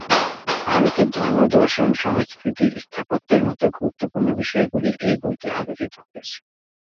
ভারতের ধর্ম, দর্শন, সংস্কৃতি, স্থাপত্যের মতো গুরুত্বপূর্ণ বিষয়গুলি এই বইতে আলোচিত হয়েছে।